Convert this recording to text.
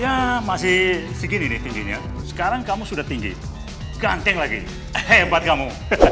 ya masih segini nih tingginya sekarang kamu sudah tinggi keanting lagi hebat kamu